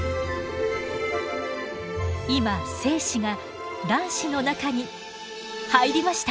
今精子が卵子の中に入りました。